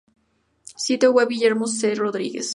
Sitio web Guillermo C. Rodríguez